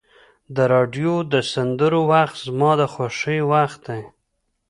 د راډیو د سندرو وخت زما د خوښۍ وخت دی.